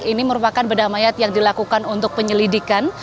ini merupakan bedah mayat yang dilakukan untuk penyelidikan